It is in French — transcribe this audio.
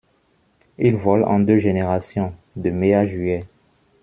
Il vole en deux générations, de mai à juillet.